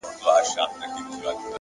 اخلاق د انسان تلپاتې ښکلا ده،